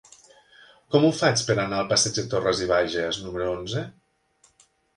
Com ho faig per anar al passeig de Torras i Bages número onze?